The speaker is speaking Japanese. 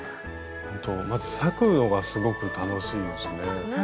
まず裂くのがすごく楽しいですね。